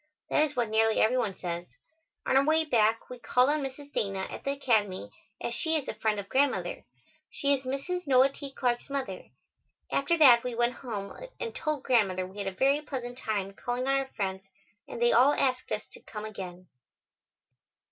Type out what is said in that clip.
That is what nearly every one says. On our way back, we called on Mrs. Dana at the Academy, as she is a friend of Grandmother. She is Mrs. Noah T. Clarke's mother. After that, we went home and told Grandmother we had a very pleasant time calling on our friends and they all asked us to come again.